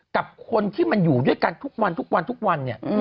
กับคนที่มันอยู่ด้วยกันทุกวันทุกวันทุกวันทุกวันเนี่ย